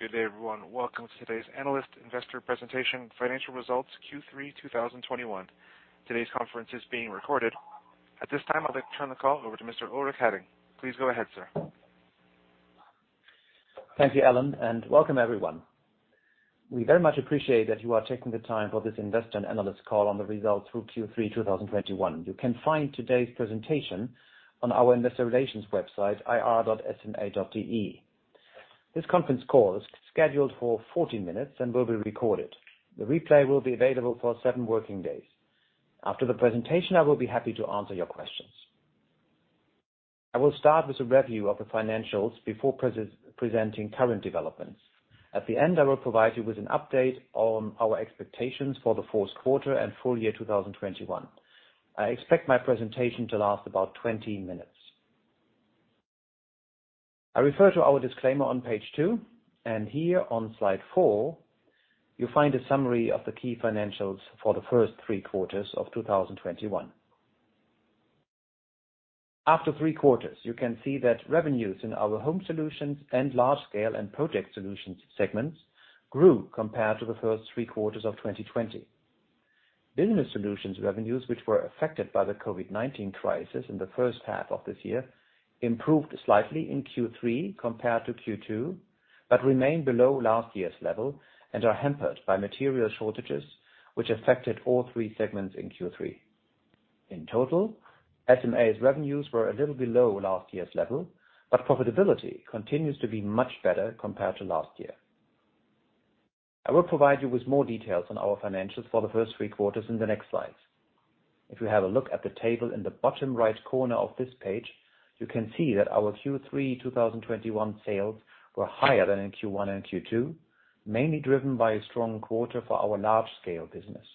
Good day, everyone. Welcome to today's analyst investor presentation, Financial Results Q3 2021. Today's conference is being recorded. At this time, I'd like to turn the call over to Mr. Ulrich Hadding. Please go ahead, sir. Thank you, Alan, and welcome everyone. We very much appreciate that you are taking the time for this investor and analyst call on the results through Q3 2021. You can find today's presentation on our investor relations website, ir.sma.de. This conference call is scheduled for 40 minutes and will be recorded. The replay will be available for seven working days. After the presentation, I will be happy to answer your questions. I will start with a review of the financials before presenting current developments. At the end, I will provide you with an update on our expectations for the fourth quarter and full year 2021. I expect my presentation to last about 20 minutes. I refer to our disclaimer on page two, and here on slide four, you'll find a summary of the key financials for the first three quarters of 2021. After three quarters, you can see that revenues in our Home Solutions and Large Scale & Project Solutions segments grew compared to the first three quarters of 2020. Business Solutions revenues, which were affected by the COVID-19 crisis in the first half of this year, improved slightly in Q3 compared to Q2, but remained below last year's level and are hampered by material shortages which affected all three segments in Q3. In total, SMA's revenues were a little below last year's level, but profitability continues to be much better compared to last year. I will provide you with more details on our financials for the first three quarters in the next slides. If you have a look at the table in the bottom right corner of this page, you can see that our Q3 2021 sales were higher than in Q1 and Q2, mainly driven by a strong quarter for our Large Scale business.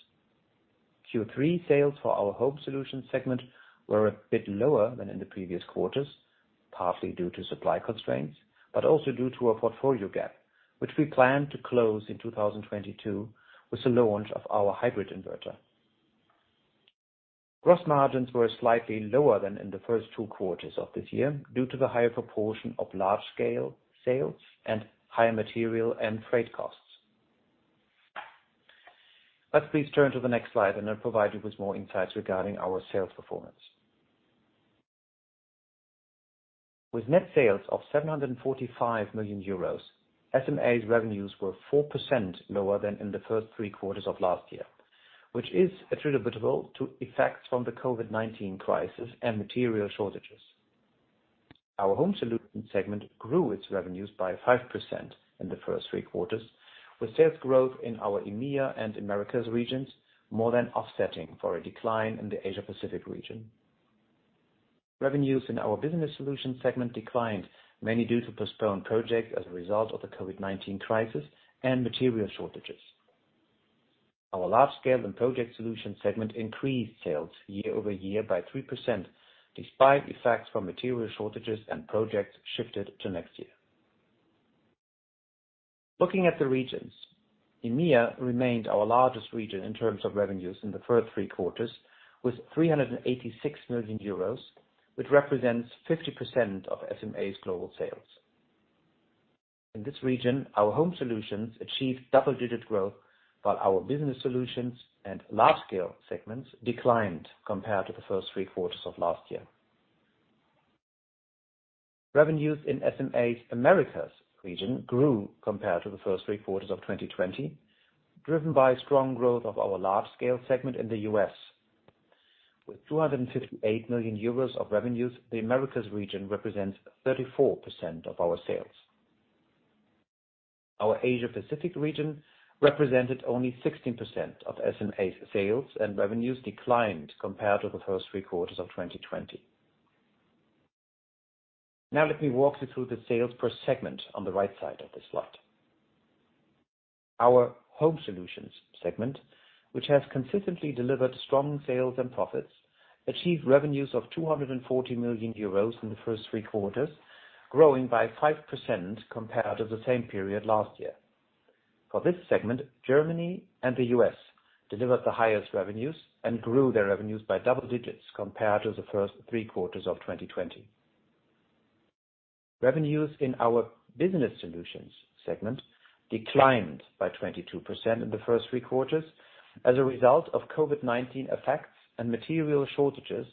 Q3 sales for our Home Solutions segment were a bit lower than in the previous quarters, partly due to supply constraints, but also due to a portfolio gap, which we plan to close in 2022 with the launch of our hybrid inverter. Gross margins were slightly lower than in the first two quarters of this year due to the higher proportion of Large Scale sales and higher material and freight costs. Let's please turn to the next slide, and I'll provide you with more insights regarding our sales performance. With net sales of 745 million euros, SMA's revenues were 4% lower than in the first three quarters of last year, which is attributable to effects from the COVID-19 crisis and material shortages. Our Home Solutions segment grew its revenues by 5% in the first three quarters, with sales growth in our EMEA and Americas regions more than offsetting a decline in the Asia-Pacific region. Revenues in our Business Solutions segment declined, mainly due to postponed projects as a result of the COVID-19 crisis and material shortages. Our Large Scale & Project Solutions segment increased sales year-over-year by 3%, despite effects from material shortages and projects shifted to next year. Looking at the regions, EMEA remained our largest region in terms of revenues in the first three quarters with 386 million euros, which represents 50% of SMA's global sales. In this region, our Home Solutions achieved double-digit growth while our Business Solutions and large-scale segments declined compared to the first three quarters of last year. Revenues in SMA's Americas region grew compared to the first three quarters of 2020, driven by strong growth of our large-scale segment in the U.S. With 258 million euros of revenues, the Americas region represents 34% of our sales. Our Asia-Pacific region represented only 16% of SMA's sales, and revenues declined compared to the first three quarters of 2020. Now let me walk you through the sales per segment on the right side of the slide. Our Home Solutions segment, which has consistently delivered strong sales and profits, achieved revenues of 240 million euros in the first three quarters, growing by 5% compared to the same period last year. For this segment, Germany and the U.S. delivered the highest revenues and grew their revenues by double digits compared to the first three quarters of 2020. Revenues in our Business Solutions segment declined by 22% in the first three quarters as a result of COVID-19 effects and material shortages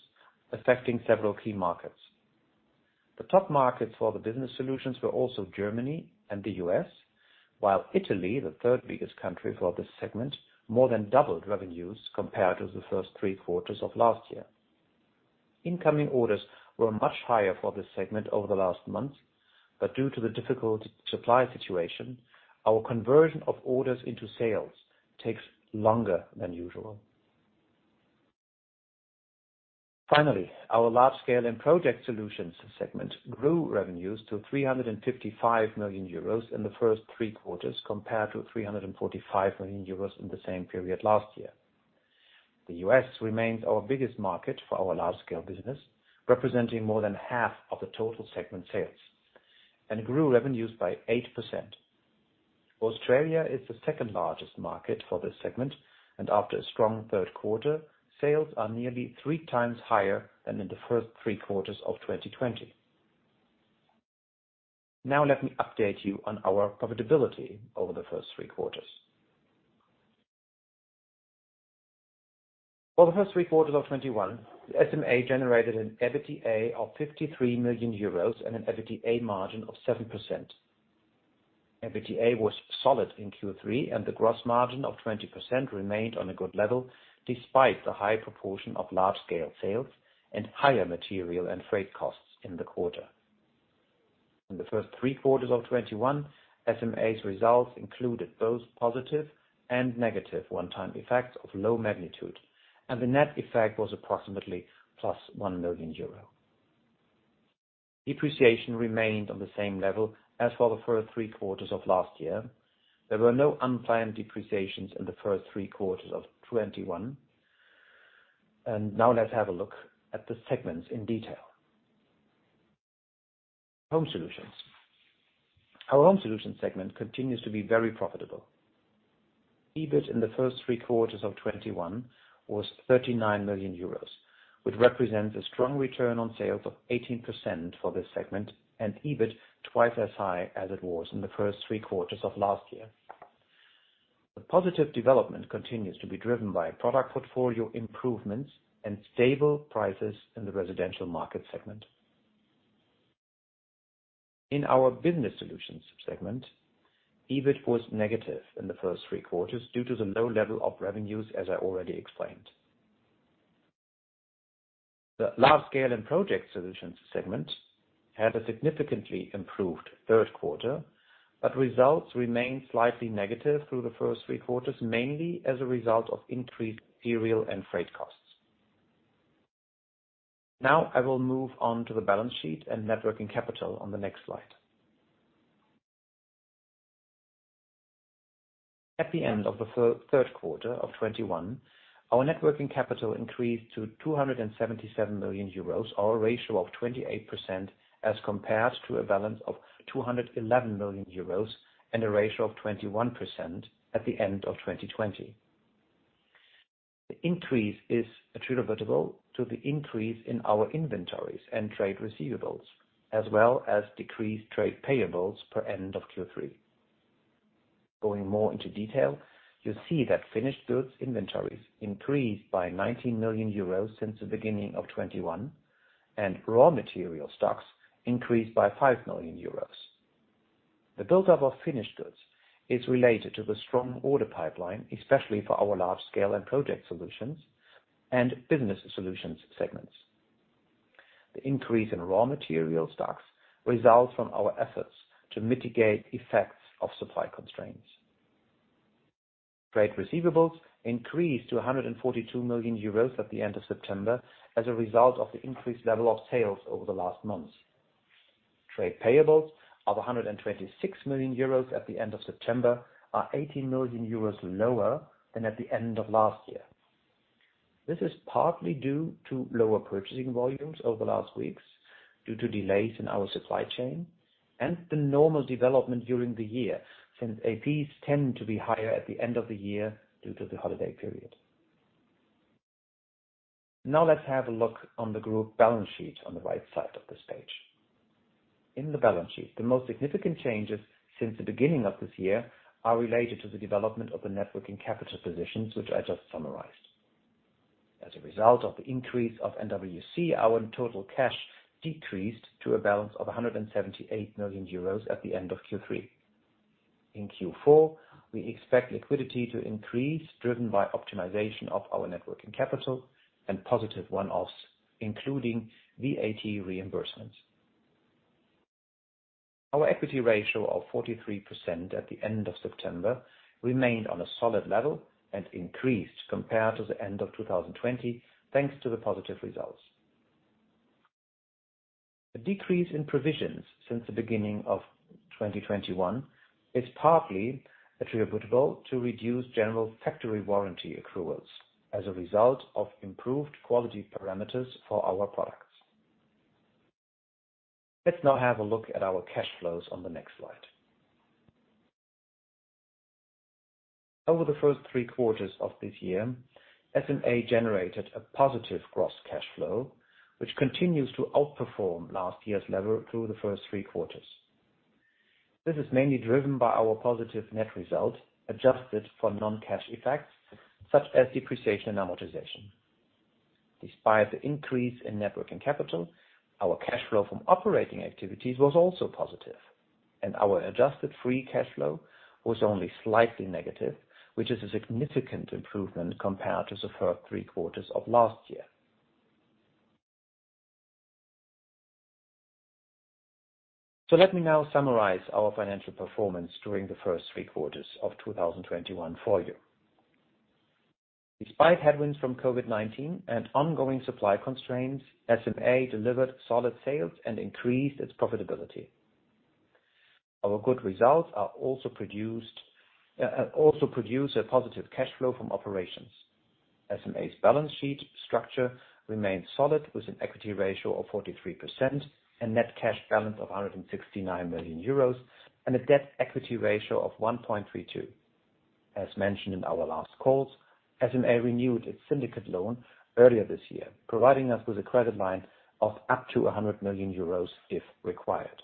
affecting several key markets. The top markets for the Business Solutions were also Germany and the U.S., while Italy, the third biggest country for this segment, more than doubled revenues compared to the first three quarters of last year. Incoming orders were much higher for this segment over the last month, but due to the difficult supply situation, our conversion of orders into sales takes longer than usual. Our Large Scale & Project Solutions segment grew revenues to 355 million euros in the first three quarters compared to 345 million euros in the same period last year. The U.S. remains our biggest market for our large-scale business, representing more than half of the total segment sales and grew revenues by 8%. Australia is the second largest market for this segment, and after a strong third quarter, sales are nearly three times higher than in the first three quarters of 2020. Now let me update you on our profitability over the first three quarters. For the first three quarters of 2021, SMA generated an EBITDA of 53 million euros and an EBITDA margin of 7%. EBITDA was solid in Q3, and the gross margin of 20% remained on a good level despite the high proportion of large-scale sales and higher material and freight costs in the quarter. In the first three quarters of 2021, SMA's results included both positive and negative one-time effects of low magnitude, and the net effect was approximately plus 1 million euro. Depreciation remained on the same level as for the first three quarters of last year. There were no unplanned depreciations in the first three quarters of 2021. Now let's have a look at the segments in detail. Home Solutions. Our Home Solutions segment continues to be very profitable. EBIT in the first three quarters of 2021 was 39 million euros, which represents a strong return on sales of 18% for this segment and EBIT twice as high as it was in the first three quarters of last year. The positive development continues to be driven by product portfolio improvements and stable prices in the residential market segment. In our Business Solutions segment, EBIT was negative in the first three quarters due to the low level of revenues, as I already explained. The Large Scale and Project Solutions segment had a significantly improved third quarter, but results remained slightly negative through the first three quarters, mainly as a result of increased material and freight costs. Now I will move on to the balance sheet and net working capital on the next slide. At the end of the third quarter of 2021, our net working capital increased to 277 million euros, or a ratio of 28% as compared to a balance of 211 million euros and a ratio of 21% at the end of 2020. The increase is attributable to the increase in our inventories and trade receivables, as well as decreased trade payables per end of Q3. Going more into detail, you see that finished goods inventories increased by 19 million euros since the beginning of 2021, and raw material stocks increased by 5 million euros. The buildup of finished goods is related to the strong order pipeline, especially for our Large Scale and Project Solutions and Business Solutions segments. The increase in raw material stocks results from our efforts to mitigate effects of supply constraints. Trade receivables increased to 142 million euros at the end of September as a result of the increased level of sales over the last months. Trade payables of 126 million euros at the end of September are 80 million euros lower than at the end of last year. This is partly due to lower purchasing volumes over the last weeks due to delays in our supply chain and the normal development during the year, since APs tend to be higher at the end of the year due to the holiday period. Now let's have a look on the group balance sheet on the right side of this page. In the balance sheet, the most significant changes since the beginning of this year are related to the development of the net working capital positions, which I just summarized. As a result of the increase of NWC, our total cash decreased to a balance of 178 million euros at the end of Q3. In Q4, we expect liquidity to increase driven by optimization of our net working capital and positive one-offs, including VAT reimbursements. Our equity ratio of 43% at the end of September remained on a solid level and increased compared to the end of 2020, thanks to the positive results. A decrease in provisions since the beginning of 2021 is partly attributable to reduced general factory warranty accruals as a result of improved quality parameters for our products. Let's now have a look at our cash flows on the next slide. Over the first three quarters of this year, SMA generated a positive gross cash flow, which continues to outperform last year's level through the first three quarters. This is mainly driven by our positive net result, adjusted for non-cash effects such as depreciation and amortization. Despite the increase in net working capital, our cash flow from operating activities was also positive, and our adjusted free cash flow was only slightly negative, which is a significant improvement compared to the first three quarters of last year. Let me now summarize our financial performance during the first three quarters of 2021 for you. Despite headwinds from COVID-19 and ongoing supply constraints, SMA delivered solid sales and increased its profitability. Our good results also produce a positive cash flow from operations. SMA's balance sheet structure remains solid, with an equity ratio of 43% and net cash balance of 169 million euros and a debt equity ratio of 1.32. As mentioned in our last calls, SMA renewed its syndicate loan earlier this year, providing us with a credit line of up to 100 million euros if required.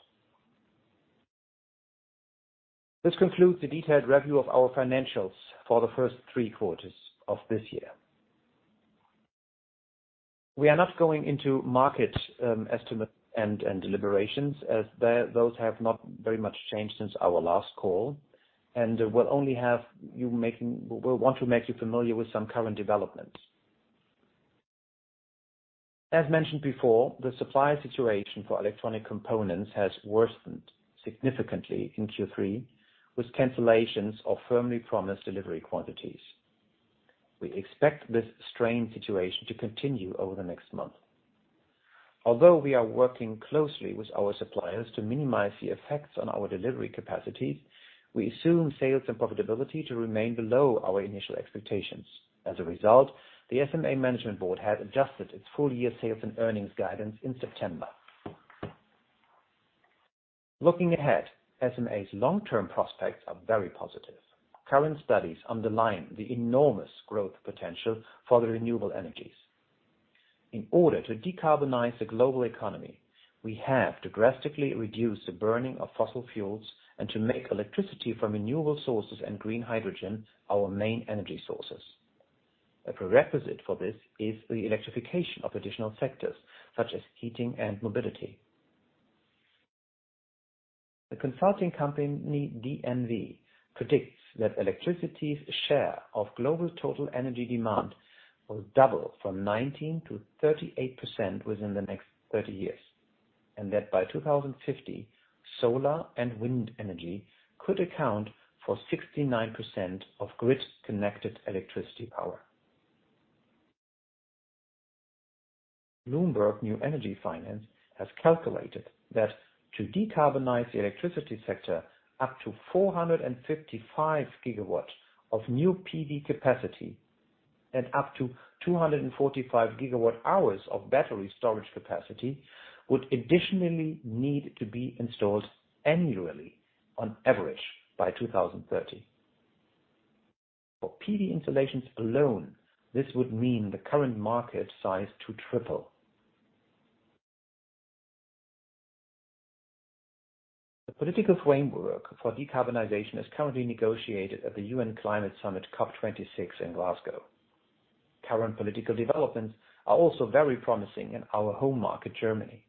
This concludes the detailed review of our financials for the first three quarters of this year. We are not going into market estimate and deliberations as those have not very much changed since our last call, and we'll want to make you familiar with some current developments. As mentioned before, the supply situation for electronic components has worsened significantly in Q3, with cancellations of firmly promised delivery quantities. We expect this strained situation to continue over the next month. Although we are working closely with our suppliers to minimize the effects on our delivery capacities, we assume sales and profitability to remain below our initial expectations. As a result, the SMA management board has adjusted its full year sales and earnings guidance in September. Looking ahead, SMA's long-term prospects are very positive. Current studies underline the enormous growth potential for the renewable energies. In order to decarbonize the global economy, we have to drastically reduce the burning of fossil fuels and to make electricity from renewable sources and green hydrogen our main energy sources. A prerequisite for this is the electrification of additional sectors such as heating and mobility. The consulting company DNV predicts that electricity's share of global total energy demand will double from 19%-38% within the next 30 years, and that by 2050, solar and wind energy could account for 69% of grid-connected electricity power. BloombergNEF has calculated that to decarbonize the electricity sector up to 455 GW of new PV capacity and up to 245 GWh of battery storage capacity would additionally need to be installed annually on average by 2030. For PV installations alone, this would mean the current market size to triple. The political framework for decarbonization is currently negotiated at the UN Climate Summit, COP26 in Glasgow. Current political developments are also very promising in our home market, Germany.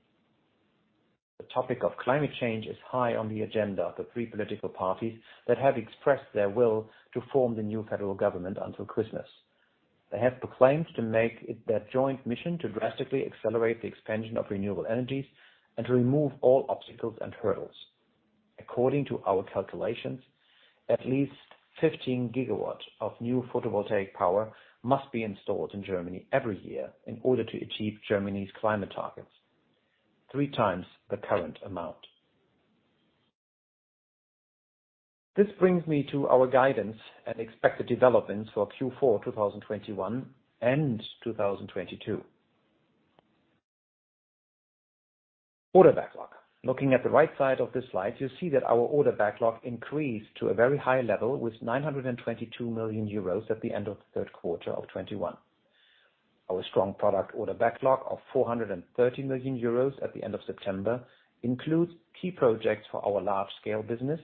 The topic of climate change is high on the agenda of the three political parties that have expressed their will to form the new federal government until Christmas. They have proclaimed to make it their joint mission to drastically accelerate the expansion of renewable energies and to remove all obstacles and hurdles. According to our calculations, at least 15 GW of new photovoltaic power must be installed in Germany every year in order to achieve Germany's climate targets, three times the current amount. This brings me to our guidance and expected developments for Q4 2021 and 2022. Order backlog. Looking at the right side of this slide, you'll see that our order backlog increased to a very high level with 922 million euros at the end of the third quarter of 2021. Our strong product order backlog of 430 million euros at the end of September includes key projects for our Large Scale business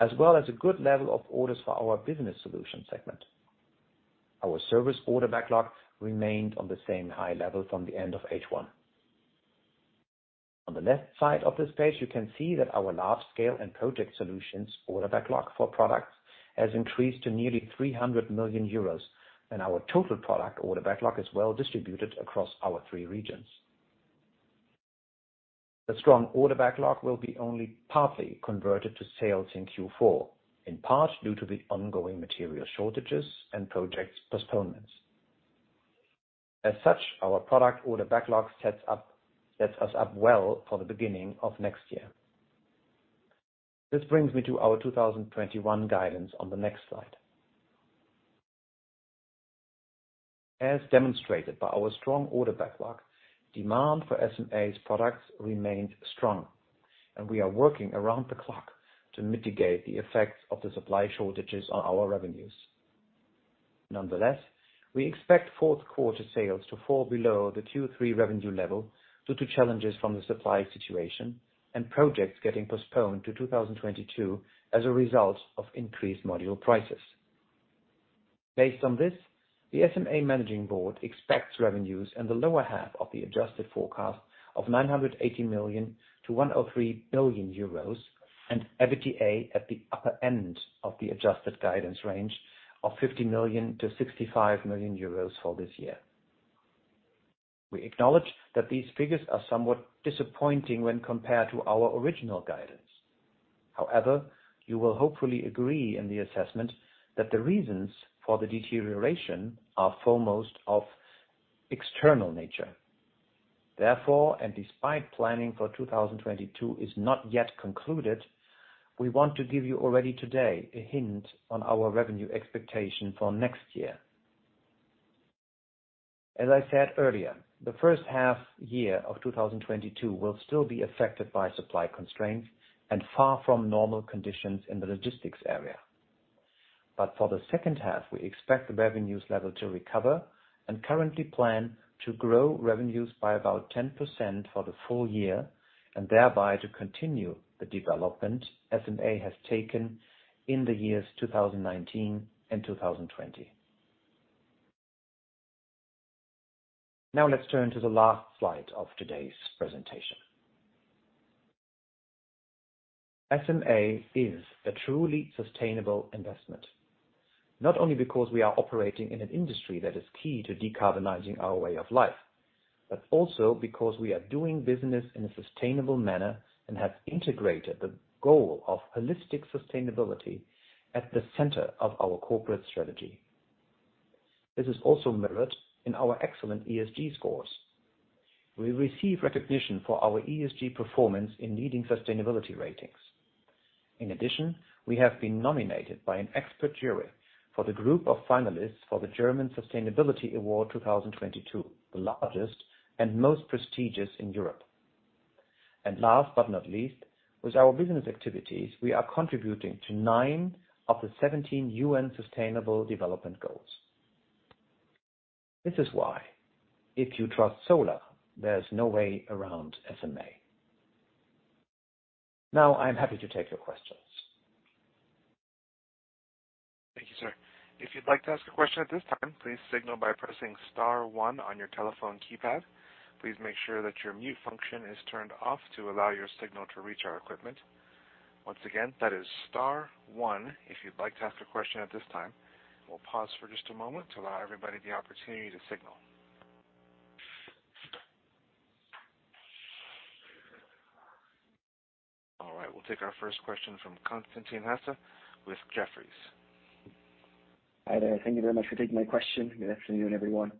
as well as a good level of orders for our Business Solutions segment. Our service order backlog remained on the same high level from the end of H1. On the left side of this page, you can see that our Large Scale & Project Solutions order backlog for products has increased to nearly 300 million euros, and our total product order backlog is well distributed across our three regions. The strong order backlog will be only partly converted to sales in Q4, in part due to the ongoing material shortages and project postponements. As such, our product order backlog sets us up well for the beginning of next year. This brings me to our 2021 guidance on the next slide. As demonstrated by our strong order backlog, demand for SMA's products remained strong, and we are working around the clock to mitigate the effects of the supply shortages on our revenues. Nonetheless, we expect fourth quarter sales to fall below the Q3 revenue level due to challenges from the supply situation and projects getting postponed to 2022 as a result of increased module prices. Based on this, the SMA Managing Board expects revenues in the lower half of the adjusted forecast of 980 million-1.03 billion euros and EBITDA at the upper end of the adjusted guidance range of 50 million-65 million euros for this year. We acknowledge that these figures are somewhat disappointing when compared to our original guidance. However, you will hopefully agree in the assessment that the reasons for the deterioration are foremost of external nature. Therefore, and despite planning for 2022 is not yet concluded, we want to give you already today a hint on our revenue expectation for next year. As I said earlier, the first half year of 2022 will still be affected by supply constraints and far from normal conditions in the logistics area. For the second half, we expect the revenues level to recover and currently plan to grow revenues by about 10% for the full year and thereby to continue the development SMA has taken in the years 2019 and 2020. Now let's turn to the last slide of today's presentation. SMA is a truly sustainable investment, not only because we are operating in an industry that is key to decarbonizing our way of life, but also because we are doing business in a sustainable manner and have integrated the goal of holistic sustainability at the center of our corporate strategy. This is also mirrored in our excellent ESG scores. We receive recognition for our ESG performance in leading sustainability ratings. In addition, we have been nominated by an expert jury for the group of finalists for the German Sustainability Award 2022, the largest and most prestigious in Europe. Last but not least, with our business activities, we are contributing to 9 of the 17 UN Sustainable Development Goals. This is why, if you trust solar, there's no way around SMA. Now I'm happy to take your questions. Thank you, sir. If you'd like to ask a question at this time, please signal by pressing star one on your telephone keypad. Please make sure that your mute function is turned off to allow your signal to reach our equipment. Once again, that is star one if you'd like to ask a question at this time. We'll pause for just a moment to allow everybody the opportunity to signal. All right, we'll take our first question from Constantin Hesse with Jefferies. Hi there. Thank you very much for taking my question. Good afternoon, everyone.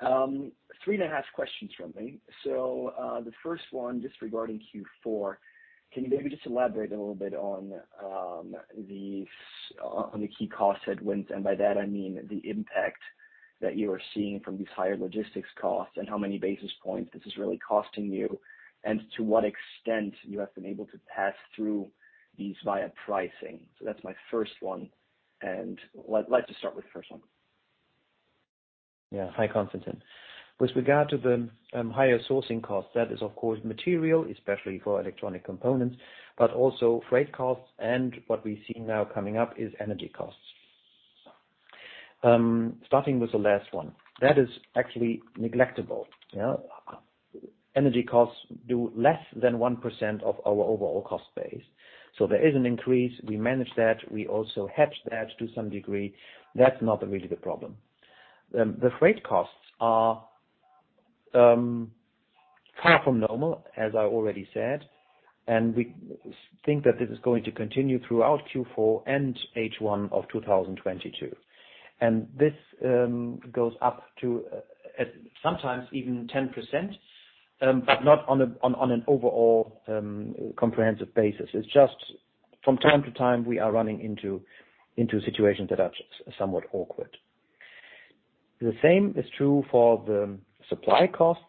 3.5 questions from me. The first one just regarding Q4. Can you maybe just elaborate a little bit on the key cost headwinds, and by that I mean the impact that you are seeing from these higher logistics costs and how many basis points this is really costing you and to what extent you have been able to pass through these via pricing. That's my first one. Like to start with the first one. Yeah. Hi, Constantin. With regard to the higher sourcing costs, that is of course material, especially for electronic components, but also freight costs and what we see now coming up is energy costs. Starting with the last one, that is actually negligible. Yeah. Energy costs do less than 1% of our overall cost base. So there is an increase. We manage that. We also hedge that to some degree. That's not really the problem. The freight costs are far from normal, as I already said, and we think that this is going to continue throughout Q4 and H1 of 2022. This goes up to sometimes even 10%, but not on an overall comprehensive basis. It's just from time to time, we are running into situations that are somewhat awkward. The same is true for the supply costs.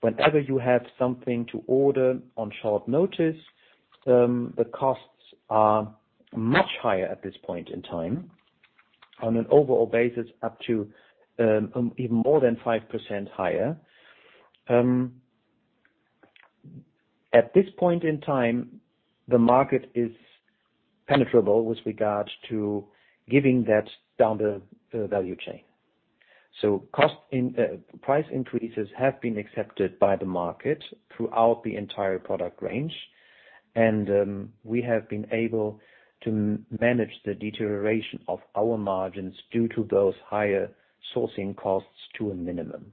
Whenever you have something to order on short notice, the costs are much higher at this point in time on an overall basis, up to even more than 5% higher. At this point in time, the market is penetrable with regards to giving that down the value chain. Price increases have been accepted by the market throughout the entire product range. We have been able to manage the deterioration of our margins due to those higher sourcing costs to a minimum.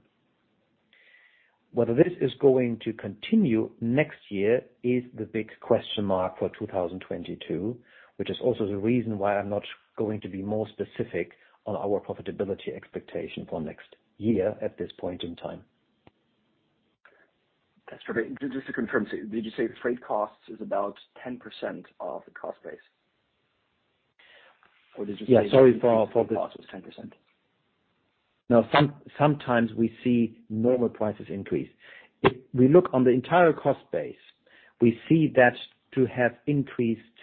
Whether this is going to continue next year is the big question mark for 2022, which is also the reason why I'm not going to be more specific on our profitability expectation for next year at this point in time. That's fair. Just to confirm, did you say freight costs is about 10% of the cost base? Or did you say Cost was 10%. No. Sometimes we see normal prices increase. If we look on the entire cost base, we see that too have increased,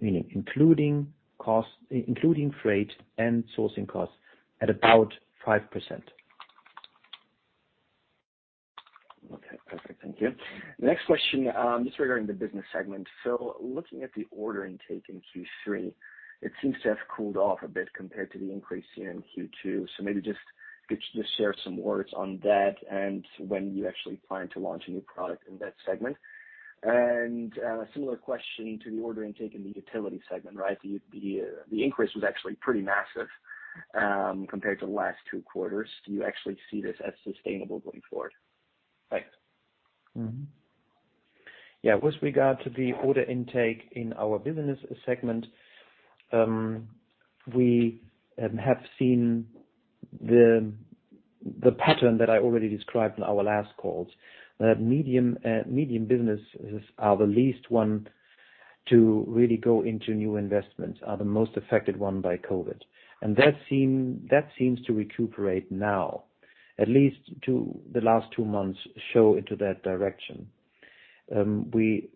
including costs, including freight and sourcing costs at about 5%. Okay, perfect. Thank you. Next question, just regarding the business segment. Looking at the order intake in Q3, it seems to have cooled off a bit compared to the increase here in Q2. Maybe just could you just share some words on that and when you actually plan to launch a new product in that segment. A similar question to the order intake in the utility segment, right? The increase was actually pretty massive, compared to the last two quarters. Do you actually see this as sustainable going forward? Thanks. Yeah. With regard to the order intake in our business segment, we have seen the pattern that I already described in our last calls. That medium businesses are the least one to really go into new investments, are the most affected one by COVID. That seems to recuperate now, at least the last two months show in that direction. We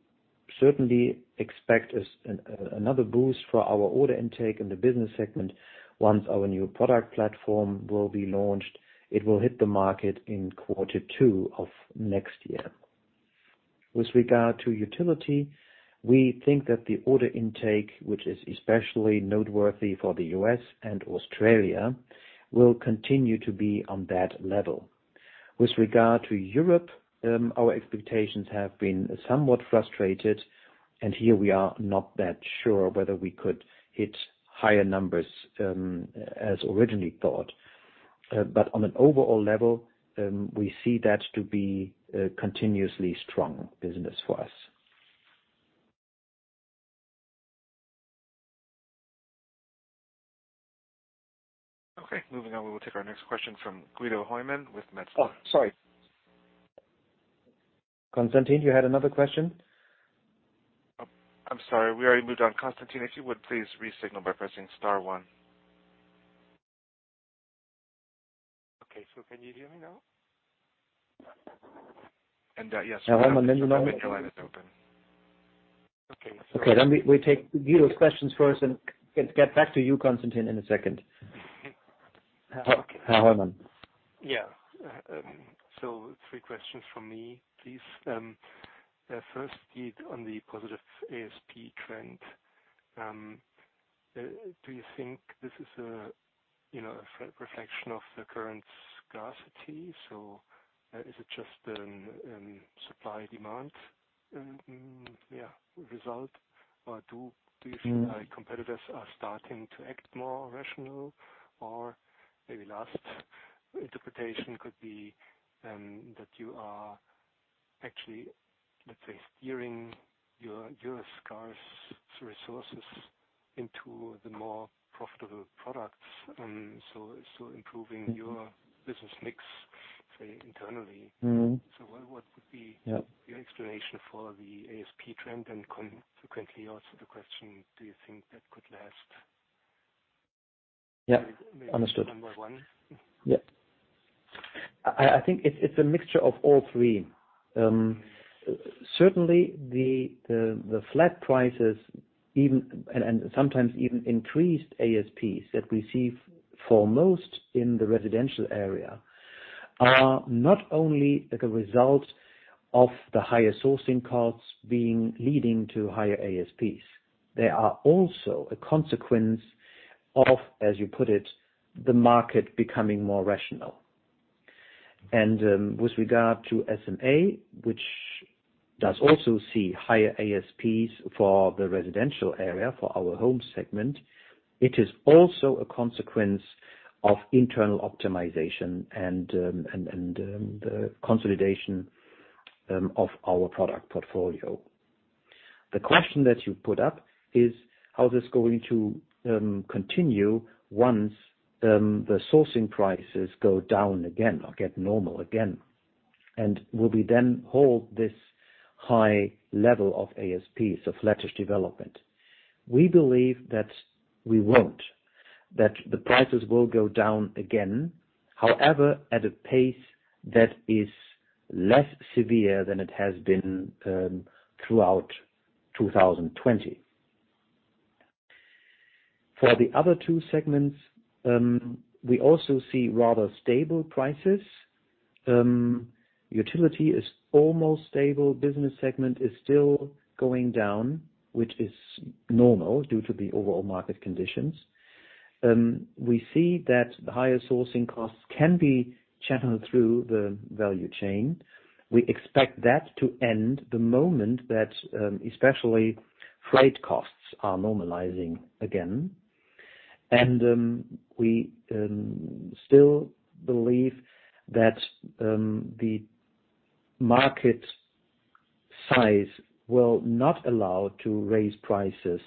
certainly expect another boost for our order intake in the business segment once our new product platform will be launched. It will hit the market in quarter two of next year. With regard to utility, we think that the order intake, which is especially noteworthy for the U.S. and Australia, will continue to be on that level. With regard to Europe, our expectations have been somewhat frustrated, and here we are not that sure whether we could hit higher numbers, as originally thought. But on an overall level, we see that to be a continuously strong business for us. Okay. Moving on, we will take our next question from Guido Hoymann with Metzler. Oh, sorry. Constantin, you had another question? Oh, I'm sorry. We already moved on. Constantin, if you would please re-signal by pressing star one. Okay. Can you hear me now? Yes. Your line is open. Okay. Okay. We take Guido's questions first and get back to you, Constantin, in a second. Guido Hoymann. Yeah. three questions from me, please. First, on the positive ASP trend, do you think this is a, you know, a reflection of the current scarcity? Is it just supply-demand result? Or do you feel like competitors are starting to act more rational? Or maybe last interpretation could be that you are actually, let's say, steering your scarce resources into the more profitable products, so improving your business mix, say, internally. What would be your explanation for the ASP trend, and consequently also the question, do you think that could last? Yeah. Understood. Number one. Yeah. I think it's a mixture of all three. Certainly the flat prices, even and sometimes even increased ASPs that we see foremost in the residential area are not only like a result of the higher sourcing costs leading to higher ASPs. They are also a consequence of, as you put it, the market becoming more rational. With regard to SMA, which does also see higher ASPs for the residential area, for our home segment, it is also a consequence of internal optimization and the consolidation of our product portfolio. The question that you put up is how this is going to continue once the sourcing prices go down again or get normal again. Will we then hold this high level of ASPs, of latest development? We believe that the prices will go down again, however, at a pace that is less severe than it has been throughout 2020. For the other two segments, we also see rather stable prices. Utility is almost stable. Business segment is still going down, which is normal due to the overall market conditions. We see that the higher sourcing costs can be channeled through the value chain. We expect that to end the moment that especially freight costs are normalizing again. We still believe that the market size will not allow to raise prices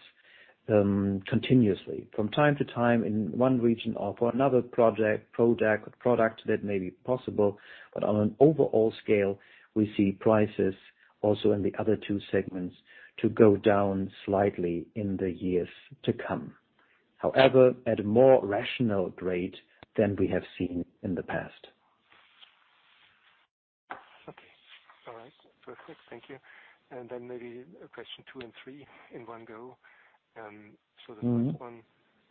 continuously. From time to time in one region or for another project, product, that may be possible. On an overall scale, we see prices also in the other two segments to go down slightly in the years to come. However, at a more rational rate than we have seen in the past. Okay. All right. Perfect. Thank you. Maybe question two and three in one go. The first one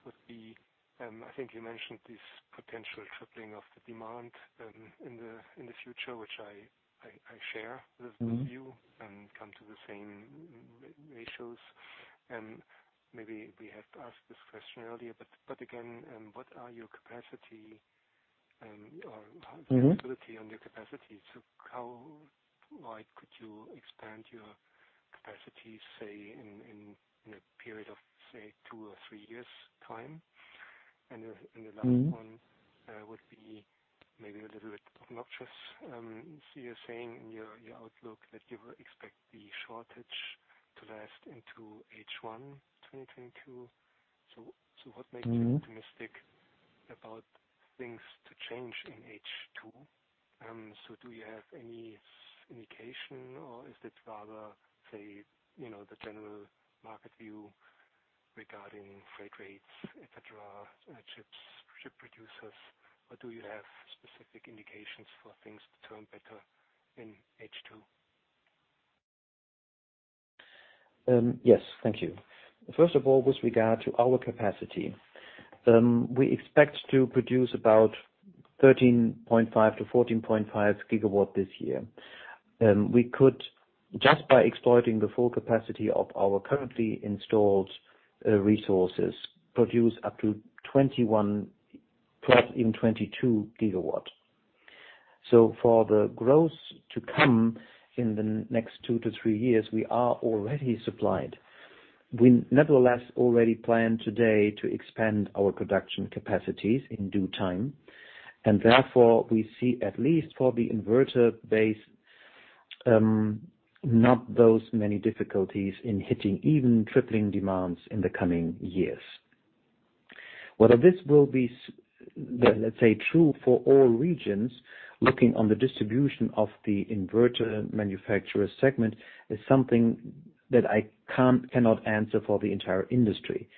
would be, I think you mentioned this potential tripling of the demand, in the future, which I share with you and come to the same ratios. Maybe we have asked this question earlier, but again, what are your capacity, or visibility on your capacity? How, like, could you expand your capacity, say, in a period of, say, two or three years' time? The last one would be maybe a little bit obnoxious. You're saying in your outlook that you expect the shortage to last into H1 2022. What makes you optimistic about things to change in H2? Do you have any indication or is it rather, say, you know, the general market view regarding freight rates, et cetera, chips, chip producers? Or do you have specific indications for things to turn better in H2? Yes. Thank you. First of all, with regard to our capacity, we expect to produce about 13.5 GW-14.5 GW this year. We could, just by exploiting the full capacity of our currently installed resources, produce up to 21+ even 22 GW. For the growth to come in the next two to three years, we are already supplied. We nevertheless already plan today to expand our production capacities in due time, and therefore we see, at least for the inverter base, not those many difficulties in hitting even tripling demands in the coming years. Whether this will be—let's say true for all regions, looking on the distribution of the inverter manufacturer segment is something that I cannot answer for the entire industry.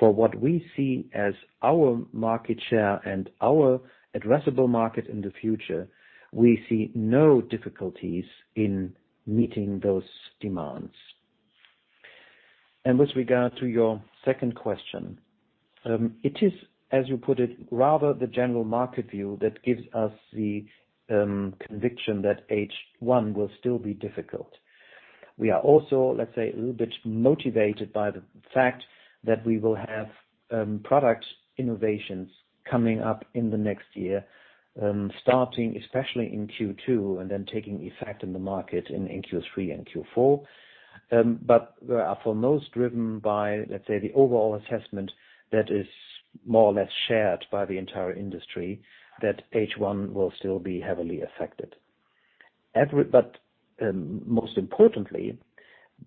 For what we see as our market share and our addressable market in the future, we see no difficulties in meeting those demands. With regard to your second question, it is, as you put it, rather the general market view that gives us the conviction that H1 will still be difficult. We are also, let's say, a little bit motivated by the fact that we will have product innovations coming up in the next year, starting especially in Q2 and then taking effect in the market in Q3 and Q4. We are foremost driven by, let's say, the overall assessment that is more or less shared by the entire industry that H1 will still be heavily affected. Most importantly,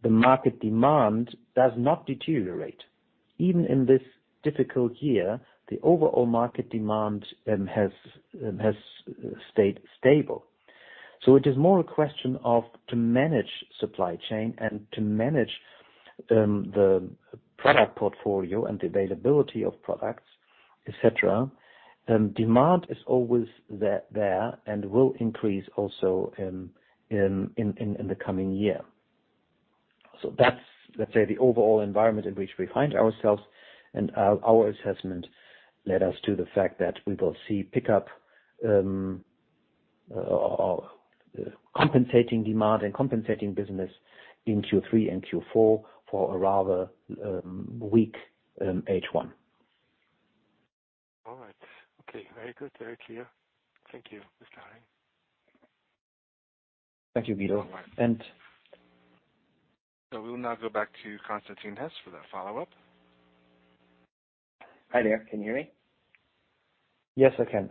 the market demand does not deteriorate. Even in this difficult year, the overall market demand has stayed stable. It is more a question of to manage supply chain and to manage the product portfolio and the availability of products, et cetera. Demand is always there and will increase also in the coming year. That's, let's say, the overall environment in which we find ourselves and our assessment led us to the fact that we will see pickup compensating demand and compensating business in Q3 and Q4 for a rather weak H1. All right. Okay. Very good. Very clear. Thank you, Mr. Hadding. Thank you, Guido Hoymann. We will now go back to Constantin Hesse for the follow-up. Hi there. Can you hear me? Yes, I can.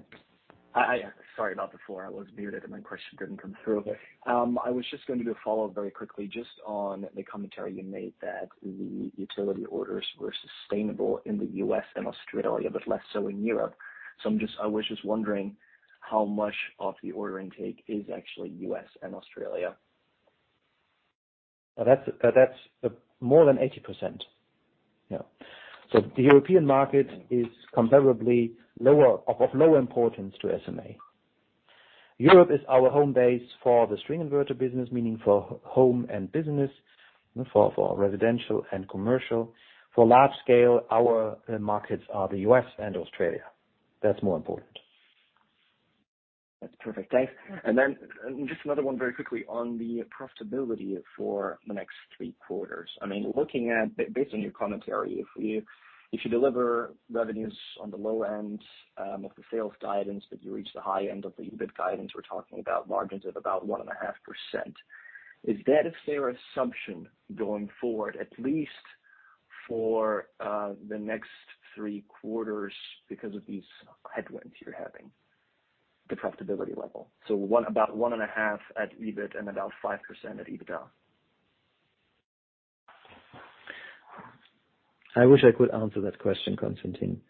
Sorry about before. I was muted and my question didn't come through. Okay. I was just going to do a follow-up very quickly just on the commentary you made, that the utility orders were sustainable in the U.S. and Australia, but less so in Europe. I was just wondering how much of the order intake is actually U.S. and Australia? That's more than 80%. Yeah. The European market is comparably lower of low importance to SMA. Europe is our home base for the string inverter business, meaning for home and business, for residential and commercial. For large scale, our markets are the U.S. and Australia. That's more important. That's perfect. Thanks. Just another one very quickly on the profitability for the next three quarters. I mean, looking at, based on your commentary, if you deliver revenues on the low end of the sales guidance, but you reach the high end of the EBIT guidance, we're talking about margins of about 1.5%. Is that a fair assumption going forward, at least for the next three quarters because of these headwinds you're having, the profitability level? About 1.5% at EBIT and about 5% at EBITDA. I wish I could answer that question, Constantin.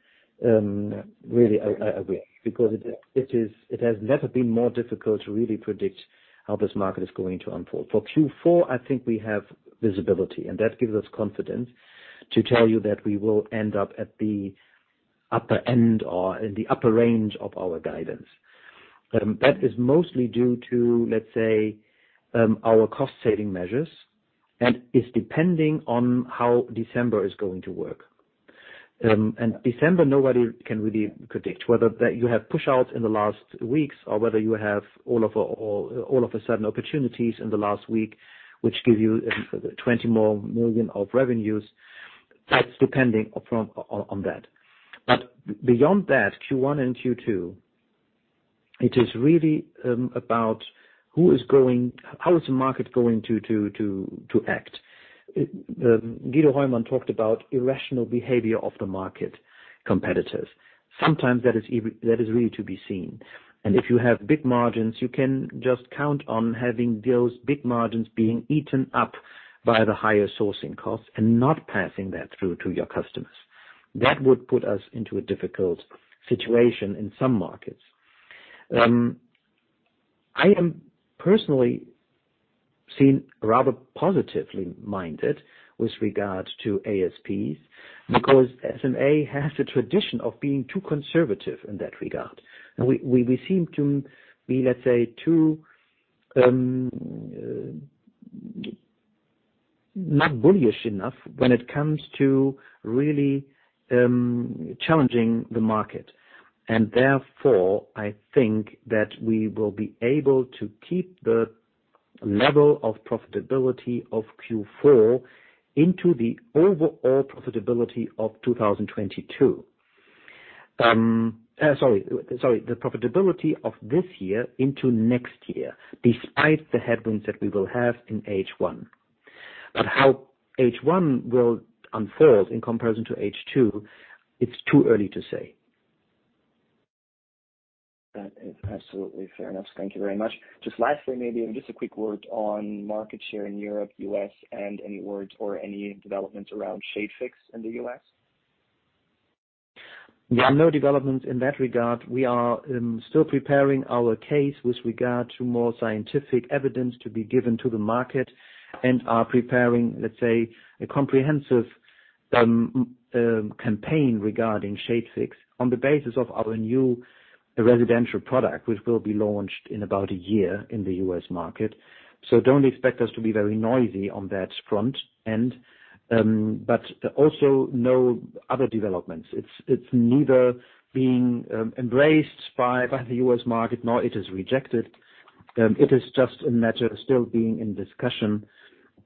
Really, I agree, because it is. It has never been more difficult to really predict how this market is going to unfold. For Q4, I think we have visibility, and that gives us confidence to tell you that we will end up at the upper end or in the upper range of our guidance. That is mostly due to, let's say, our cost saving measures, and it's depending on how December is going to work. December, nobody can really predict whether that you have push outs in the last weeks or whether you have all of a sudden opportunities in the last week, which give you 20 more million of revenues. That's depending on that. Beyond that, Q1 and Q2. It is really about how the market is going to act. Guido Hoymann talked about irrational behavior of the market competitors. Sometimes that is really to be seen. If you have big margins, you can just count on having those big margins being eaten up by the higher sourcing costs and not passing that through to your customers. That would put us into a difficult situation in some markets. I am personally seeing rather positively-minded with regard to ASPs, because SMA has a tradition of being too conservative in that regard. We seem to be, let's say, too not bullish enough when it comes to really challenging the market. Therefore, I think that we will be able to keep the level of profitability of this year into next year, despite the headwinds that we will have in H1. How H1 will unfold in comparison to H2, it's too early to say. That is absolutely fair enough. Thank you very much. Just lastly, maybe just a quick word on market share in Europe, U.S., and any words or any developments around ShadeFix in the U.S. There are no developments in that regard. We are still preparing our case with regard to more scientific evidence to be given to the market and are preparing, let's say, a comprehensive campaign regarding ShadeFix on the basis of our new residential product, which will be launched in about a year in the U.S. market. Don't expect us to be very noisy on that front end. Also no other developments. It's neither being embraced by the U.S. market, nor it is rejected. It is just a matter of still being in discussion,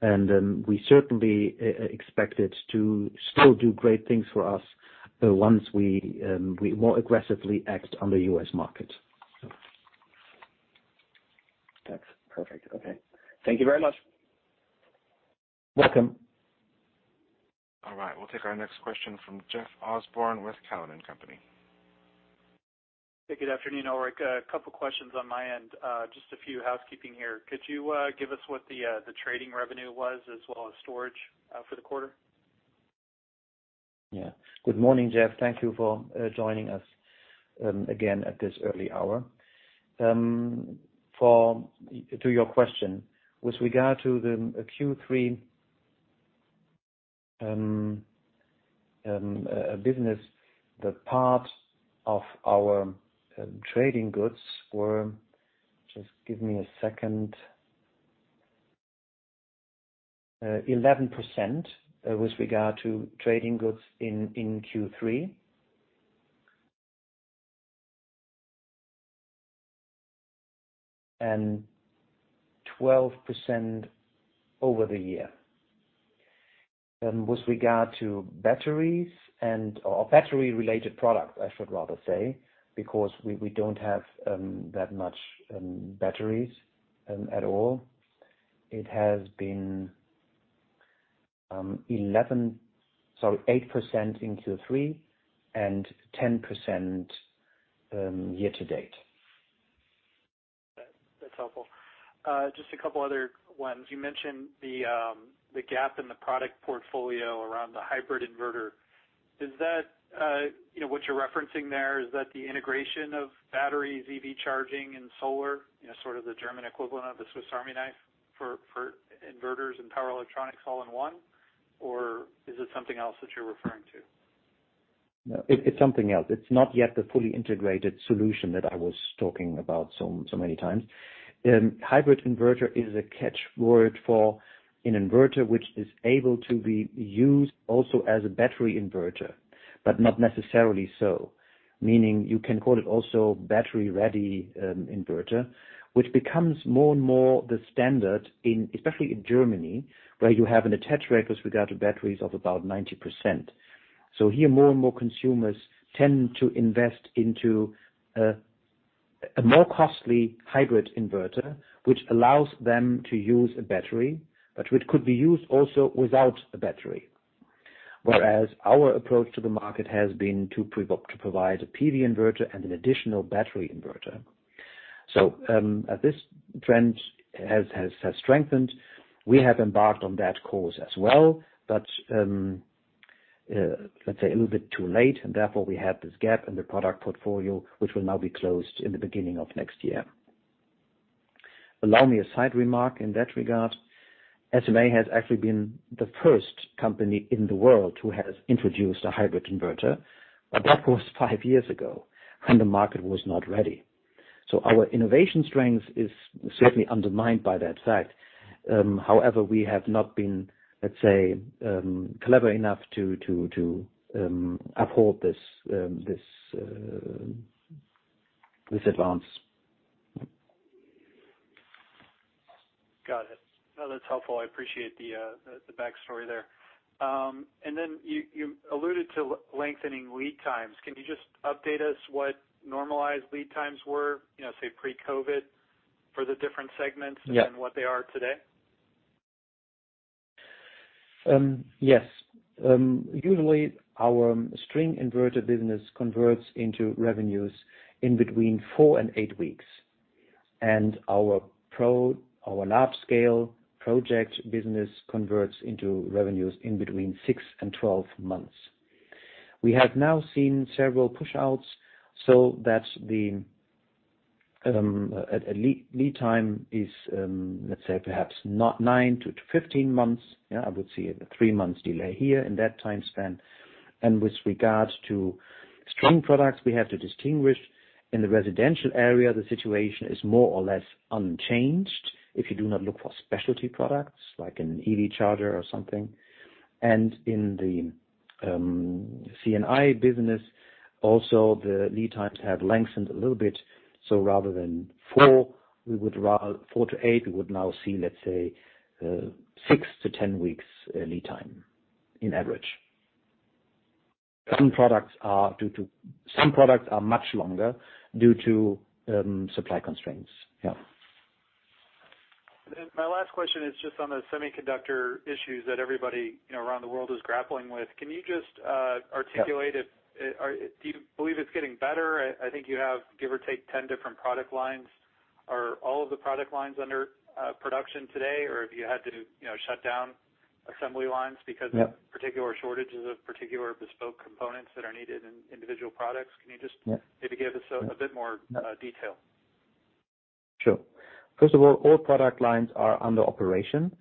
and we certainly expect it to still do great things for us, once we more aggressively act on the U.S. market. That's perfect. Okay. Thank you very much. Welcome. All right. We'll take our next question from Jeff Osborne with Cowen and Company. Hey, good afternoon, Ulrich. A couple of questions on my end. Just a few housekeeping here. Could you give us what the trading revenue was as well as storage for the quarter? Yeah. Good morning, Jeff. Thank you for joining us again at this early hour. To your question. With regard to the Q3 business, the part of our trading goods were, just give me a second, 11% with regard to trading goods in Q3. Twelve percent over the year. With regard to batteries or battery-related products, I should rather say, because we don't have that much batteries at all. It has been eight percent in Q3 and ten percent year to date. That's helpful. Just a couple of other ones. You mentioned the gap in the product portfolio around the hybrid inverter. Is that you know what you're referencing there, is that the integration of batteries, EV charging and solar, you know sort of the German equivalent of the Swiss Army knife for inverters and power electronics all in one? Or is it something else that you're referring to? No, it's something else. It's not yet the fully integrated solution that I was talking about so many times. Hybrid inverter is a catchword for an inverter which is able to be used also as a battery inverter, but not necessarily so. Meaning you can call it also battery-ready inverter, which becomes more and more the standard in, especially in Germany, where you have an attach rate with regard to batteries of about 90%. Here, more and more consumers tend to invest into a more costly hybrid inverter, which allows them to use a battery, but which could be used also without a battery. Whereas our approach to the market has been to provide a PV inverter and an additional battery inverter. As this trend has strengthened, we have embarked on that course as well, but let's say a little bit too late, and therefore, we have this gap in the product portfolio, which will now be closed in the beginning of next year. Allow me a side remark in that regard. SMA has actually been the first company in the world who has introduced a hybrid inverter, but that was five years ago and the market was not ready. Our innovation strength is certainly undermined by that fact. However, we have not been, let's say, clever enough to uphold this advance. Got it. No, that's helpful. I appreciate the backstory there. You alluded to lengthening lead times. Can you just update us what normalized lead times were, you know, say, pre-COVID for the different segments? What they are today? Yes. Usually our string inverter business converts into revenues between four and eight weeks. Our large-scale project business converts into revenues between six and twelve months. We have now seen several push-outs, so that the lead time is, let's say, perhaps not 9-15 months. Yeah, I would say a three months delay here in that time span. With regards to string products, we have to distinguish. In the residential area, the situation is more or less unchanged if you do not look for specialty products like an EV Charger or something. In the C&I business, also the lead times have lengthened a little bit. Rather than 4-8, we would now see, let's say, 6-10 weeks lead time on average. Some products are much longer due to supply constraints. Yeah. My last question is just on the semiconductor issues that everybody, you know, around the world is grappling with. Can you just articulate if- Yeah. Do you believe it's getting better? I think you have, give or take, ten different product lines. Are all of the product lines under production today, or have you had to, you know, shut down assembly lines because of there are particular shortages of particular bespoke components that are needed in individual products? Can you just maybe give us a bit more detail? Sure. First of all product lines are under operation.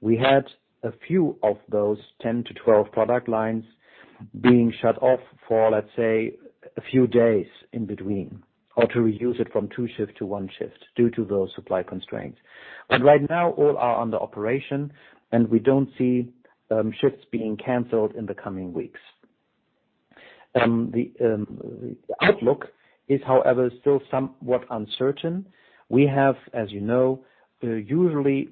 We had a few of those 10-12 product lines being shut off for, let's say, a few days in between, or to reduce it from two shift to one shift due to those supply constraints. Right now, all are under operation, and we don't see shifts being canceled in the coming weeks. The outlook is, however, still somewhat uncertain. We have, as you know, usually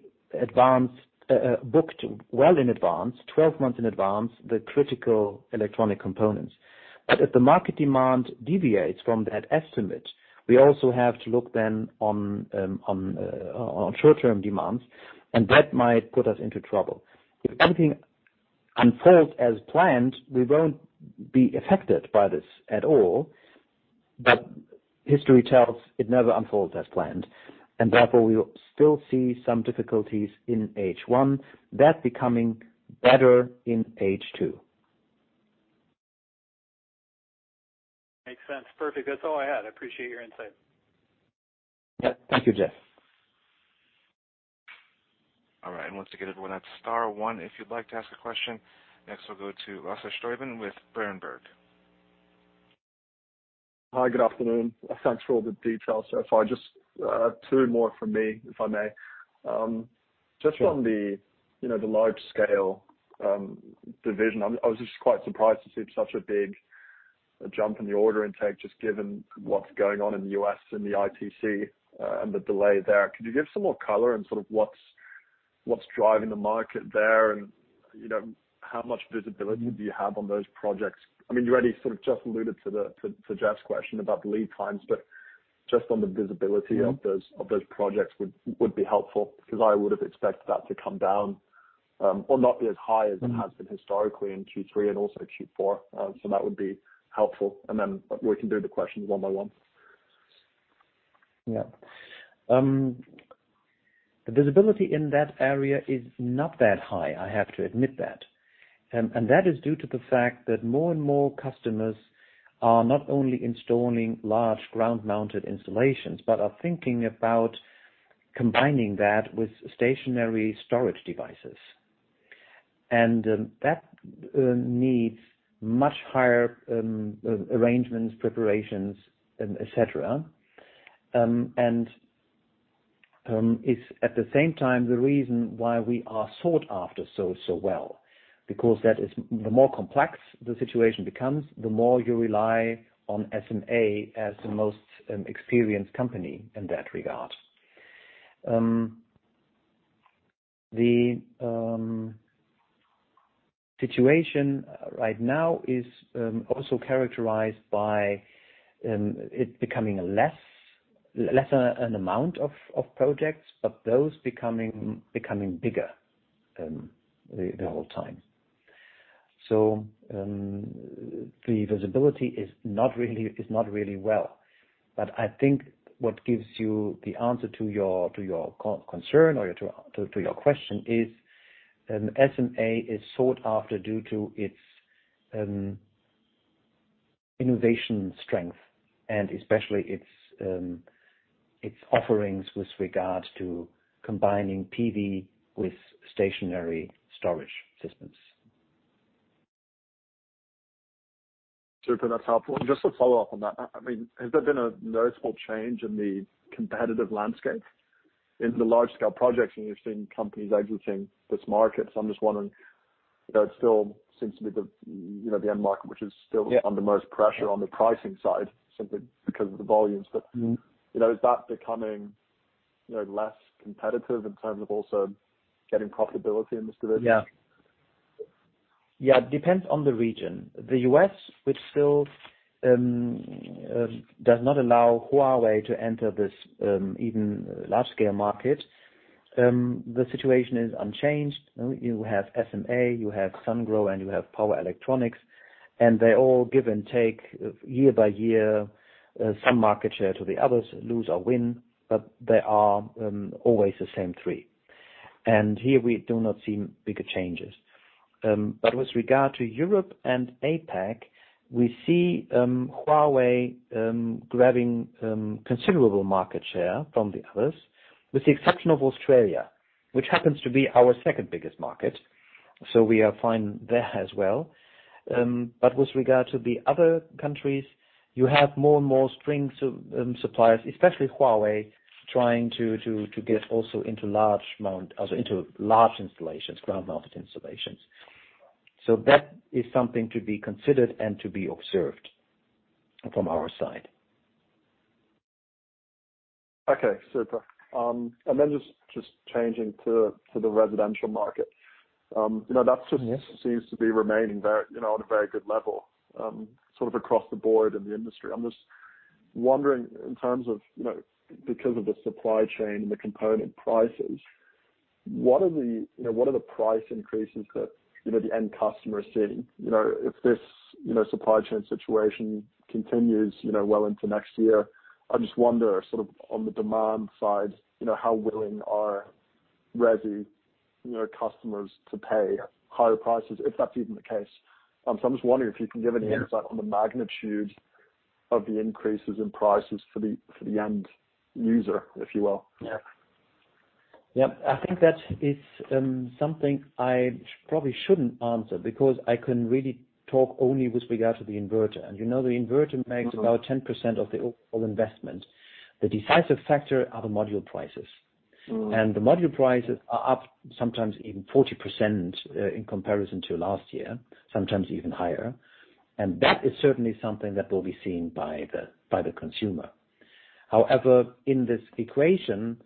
booked well in advance, 12 months in advance, the critical electronic components. If the market demand deviates from that estimate, we also have to look then on short-term demands, and that might put us into trouble. If everything unfolds as planned, we won't be affected by this at all. History tells it never unfolds as planned, and therefore we will still see some difficulties in H1, that becoming better in H2. Makes sense. Perfect. That's all I had. I appreciate your insight. Yeah. Thank you, Jeff. All right. Once again, everyone, that's star one if you'd like to ask a question. Next we'll go to Lasse Stüben with Berenberg. Hi, good afternoon. Thanks for all the details so far. Just two more from me, if I may. Just on the Large Scale division, I was just quite surprised to see such a big jump in the order intake, just given what's going on in the U.S. and the ITC, and the delay there. Could you give some more color in sort of what's driving the market there and how much visibility do you have on those projects? I mean, you already sort of just alluded to Jeff's question about the lead times, but just on the visibility of those projects would be helpful because I would have expected that to come down or not be as high as it has been historically in Q3 and also Q4. That would be helpful. We can do the questions one by one. Yeah. The visibility in that area is not that high, I have to admit that. That is due to the fact that more and more customers are not only installing large ground-mounted installations but are thinking about combining that with stationary storage devices. That needs much higher arrangements, preparations, and et cetera. It is at the same time the reason why we are sought after so well, because the more complex the situation becomes, the more you rely on SMA as the most experienced company in that regard. The situation right now is also characterized by it becoming a lesser amount of projects, but those becoming bigger the whole time. The visibility is not really well, but I think what gives you the answer to your concern or to your question is SMA is sought after due to its innovation strength and especially its offerings with regard to combining PV with stationary storage systems. Super. That's helpful. Just to follow up on that, I mean, has there been a noticeable change in the competitive landscape in the large scale projects? You've seen companies exiting this market, so I'm just wondering. You know, it still seems to be you know, the end market which is still under most pressure on the pricing side simply because of the volumes, you know, is that becoming, you know, less competitive in terms of also getting profitability in this division? Yeah. It depends on the region. The U.S., which still does not allow Huawei to enter this even large scale market, the situation is unchanged. You have SMA, you have Sungrow, and you have Power Electronics, and they all give and take year by year some market share to the others, lose or win, but they are always the same three. Here we do not see bigger changes. With regard to Europe and APAC, we see Huawei grabbing considerable market share from the others, with the exception of Australia, which happens to be our second biggest market, so we are fine there as well. With regard to the other countries, you have more and more string suppliers, especially Huawei, trying to get also into large installations, ground-mounted installations. that is something to be considered and to be observed from our side. Okay. Super. Just changing to the residential market. You know, that's just. Yes Seems to be remaining very, you know, on a very good level, sort of across the board in the industry. I'm just wondering in terms of, you know, because of the supply chain and the component prices, what are the, you know, what are the price increases that, you know, the end customer is seeing? You know, if this, you know, supply chain situation continues, you know, well into next year, I just wonder sort of on the demand side, you know, how willing are resi, you know, customers to pay higher prices, if that's even the case. So I'm just wondering if you can give any insight? Yeah on the magnitude of the increases in prices for the end user, if you will. I think that is something I probably shouldn't answer, because I can really talk only with regard to the inverter. You know, the inverter makes about 10% of the overall investment. The decisive factor are the module prices. Mm. The module prices are up sometimes even 40%, in comparison to last year, sometimes even higher, and that is certainly something that will be seen by the consumer. However, in this equation,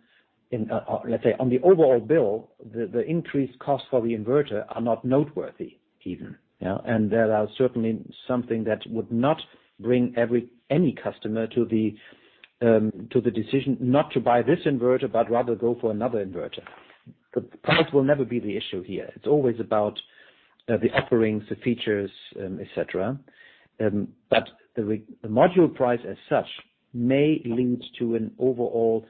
let's say on the overall bill, the increased cost for the inverter are not noteworthy even, you know. That are certainly something that would not bring any customer to the decision not to buy this inverter, but rather go for another inverter. The price will never be the issue here. It's always about the offerings, the features, et cetera. The module price as such may lead to an overall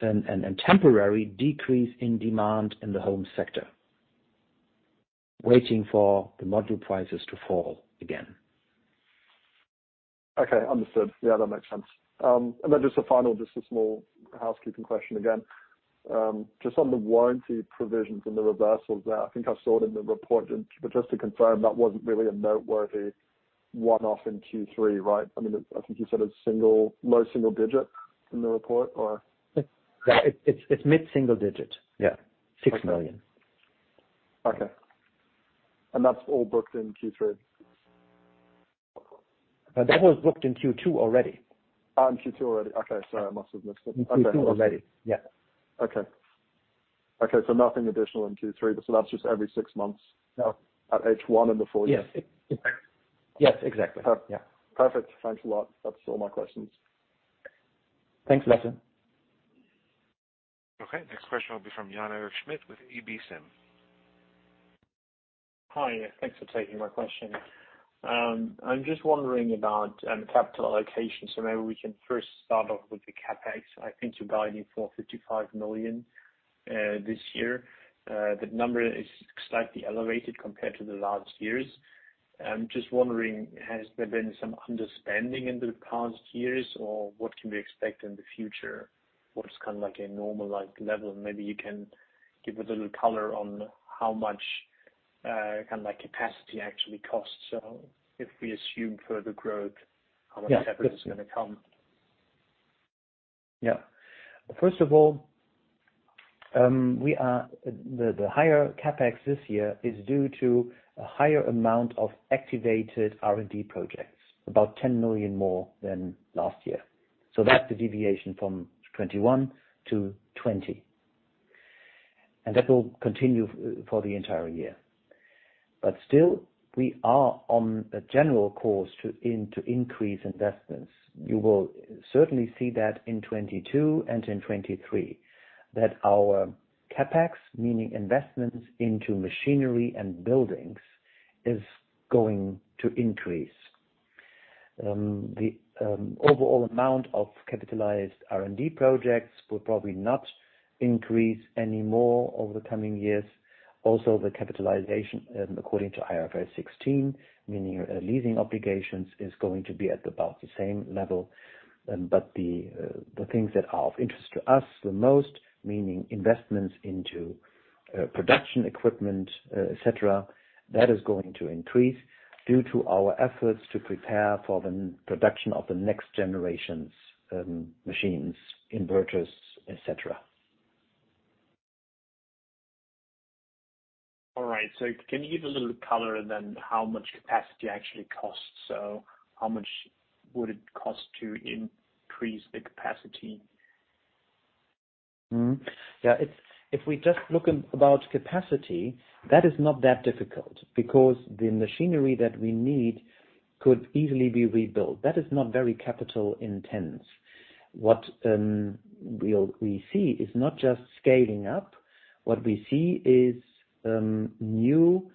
and temporary decrease in demand in the home sector, waiting for the module prices to fall again. Okay. Understood. Yeah, that makes sense. Just a small housekeeping question again. Just on the warranty provisions and the reversals there, I think I saw it in the report, but just to confirm, that wasn't really a noteworthy one-off in Q3, right? I mean, I think you said low single digit in the report or. It's mid-single digit. Yeah. Okay. 6 million. Okay. That's all booked in Q3? That was booked in Q2 already. In Q2 already. Okay. Sorry, I must have missed it. In Q2 already. Yeah. Okay. Nothing additional in Q3. That's just every six months. No -at H one and before. Yes. Exactly. Yes, exactly. Per- Yeah. Perfect. Thanks a lot. That's all my questions. Thanks, Lasse. Okay. Next question will be from [Jan Eric Schmitt with ODDO BHF]. Hi. Thanks for taking my question. I'm just wondering about capital allocation, so maybe we can first start off with the CapEx. I think you're guiding for 55 million this year. The number is slightly elevated compared to the last years. I'm just wondering, has there been some underspending in the past years, or what can we expect in the future? What is kind of like a normalized level? Maybe you can give a little color on how much kinda like capacity actually costs, so if we assume further growth- Yeah How much CapEx is gonna come? First of all, the higher CapEx this year is due to a higher amount of activated R&D projects, about 10 million more than last year. That's the deviation from 2021 to 2020. That will continue for the entire year. Still, we are on a general course to increase investments. You will certainly see that in 2022 and in 2023, that our CapEx, meaning investments into machinery and buildings, is going to increase. The overall amount of capitalized R&D projects will probably not increase any more over the coming years. Also, the capitalization according to IFRS 16, meaning leasing obligations, is going to be at about the same level. The things that are of interest to us the most, meaning investments into production equipment, et cetera, that is going to increase due to our efforts to prepare for the production of the next generations, machines, inverters, et cetera. All right. Can you give a little color then how much capacity actually costs? How much would it cost to increase the capacity? Mm-hmm. Yeah. If we just look at about capacity, that is not that difficult because the machinery that we need could easily be rebuilt. That is not very capital-intensive. What we see is not just scaling up. What we see is new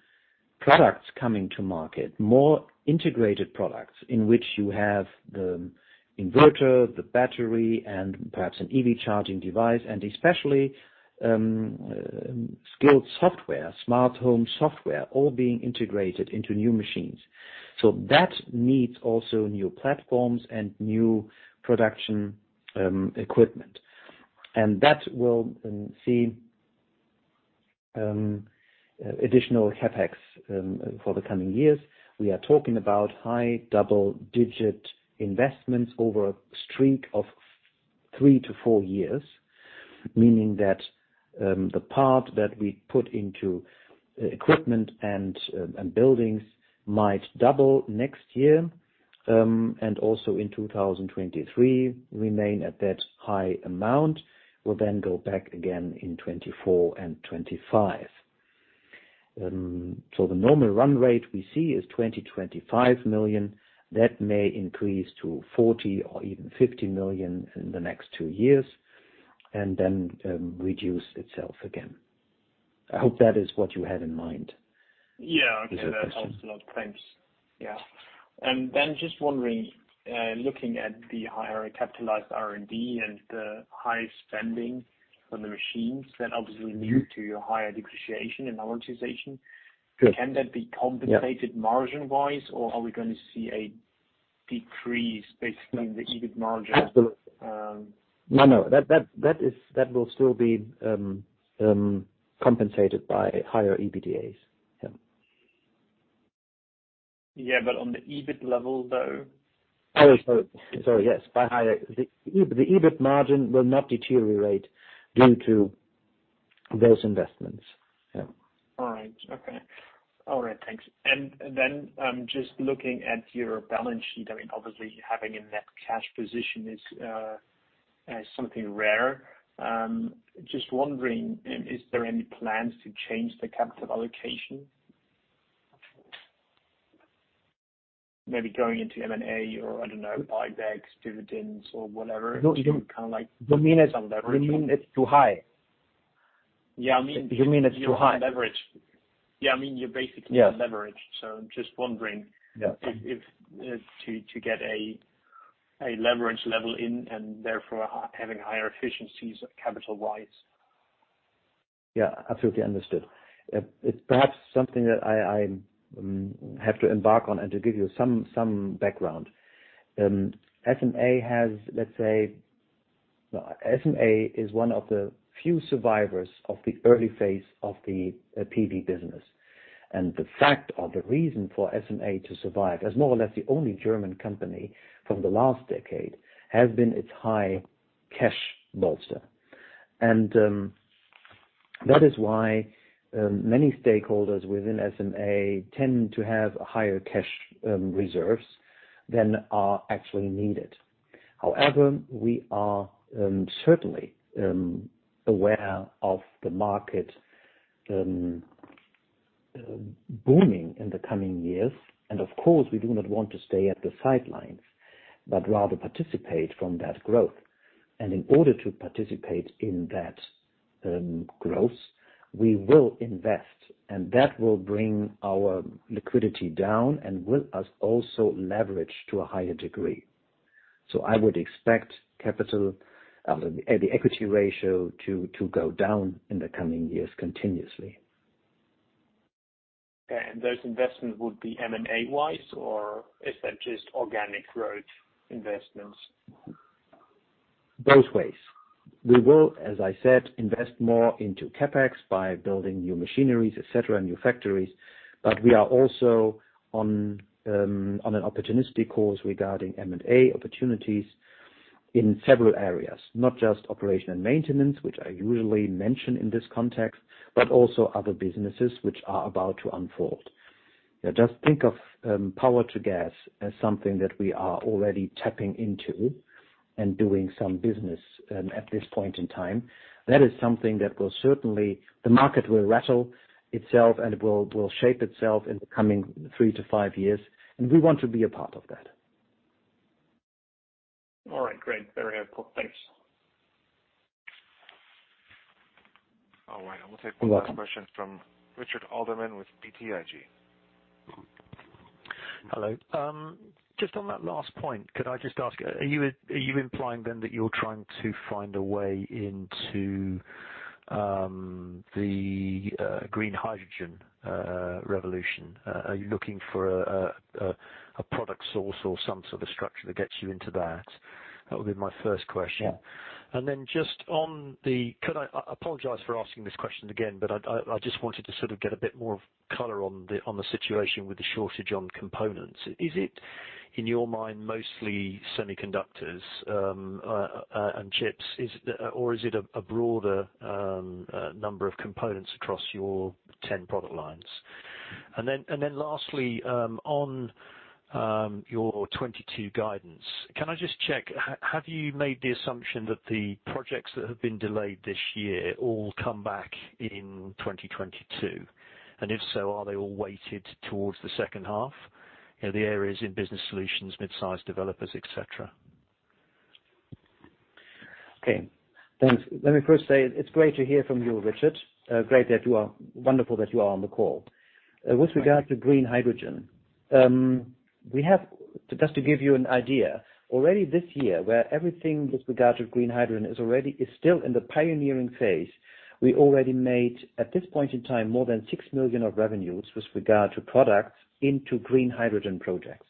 products coming to market, more integrated products in which you have the inverter, the battery, and perhaps an EV charging device, and especially skilled software, smart home software, all being integrated into new machines. That needs also new platforms and new production equipment. That will see additional CapEx for the coming years. We are talking about high double-digit investments over a streak of three to four years, meaning that the part that we put into equipment and buildings might double next year and also in 2023 remain at that high amount, will then go back again in 2024 and 2025. The normal run rate we see is 25 million. That may increase to 40 million or even 50 million in the next two years and then reduce itself again. I hope that is what you had in mind. Yeah. Okay. Is the question. That helps a lot. Thanks. Yeah. Just wondering, looking at the higher capitalized R&D and the high spending on the machines that obviously lead to your higher depreciation and amortization. Good. Can that be compensated? Yeah. margin-wise, or are we gonna see a decrease based on the EBIT margin? No. That will still be compensated by higher EBITDA. Yeah. Yeah, on the EBIT level, though. Sorry, yes. The EBIT margin will not deteriorate due to those investments. Yeah. All right. Okay. All right. Thanks. Just looking at your balance sheet, I mean, obviously, having a net cash position is something rare. Just wondering, is there any plans to change the capital allocation? Maybe going into M&A or, I don't know, buybacks, dividends or whatever. No, you- Kinda like- You mean it's- some leverage. You mean it's too high? Yeah. I mean. You mean it's too high. You don't want leverage. Yeah. I mean, you're basically. Yeah. -leveraged. I'm just wondering Yeah. If to get a leverage level in and therefore having higher efficiencies capital-wise. Yeah, absolutely understood. It's perhaps something that I have to embark on and to give you some background. SMA has, let's say, SMA is one of the few survivors of the early phase of the PV business. The fact or the reason for SMA to survive as more or less the only German company from the last decade has been its high cash bolster. That is why many stakeholders within SMA tend to have higher cash reserves than are actually needed. However, we are certainly aware of the market booming in the coming years. Of course, we do not want to stay at the sidelines, but rather participate from that growth. In order to participate in that growth, we will invest, and that will bring our liquidity down and will also use leverage to a higher degree. I would expect the equity ratio to go down in the coming years continuously. Okay. Those investments would be M&A-wise, or is that just organic growth investments? Both ways. We will, as I said, invest more into CapEx by building new machineries, et cetera, new factories. We are also on an opportunistic course regarding M&A opportunities in several areas, not just operation and maintenance, which I usually mention in this context, but also other businesses which are about to unfold. Yeah, just think of power-to-gas as something that we are already tapping into and doing some business at this point in time. That is something that will certainly. The market will rationalize itself, and it will shape itself in the coming three to five years, and we want to be a part of that. All right. Great. Very helpful. Thanks. All right. Welcome. I will take the last question from Richard Alderman with BTIG. Hello. Just on that last point, could I just ask, are you implying then that you're trying to find a way into the green hydrogen revolution? Are you looking for a product source or some sort of structure that gets you into that? That would be my first question. Yeah. I apologize for asking this question again, but I just wanted to sort of get a bit more color on the situation with the shortage of components. In your mind, mostly semiconductors and chips. Or is it a broader number of components across your 10 product lines? Lastly, on your 2022 guidance, can I just check, have you made the assumption that the projects that have been delayed this year all come back in 2022? And if so, are they all weighted towards the second half? You know, the areas in Business Solutions, mid-size developers, et cetera. Okay, thanks. Let me first say it's great to hear from you, Richard. Wonderful that you are on the call. With regard to green hydrogen, just to give you an idea, already this year, where everything with regard to green hydrogen is still in the pioneering phase, we already made, at this point in time, more than 6 million of revenues with regard to products into green hydrogen projects.